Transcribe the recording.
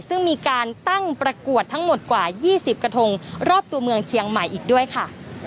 ซึ่งมีการตั้งประกวดทั้งหมดกว่า๒๐กระทงรอบตัวเมืองเชียงใหม่อีกด้วยค่ะ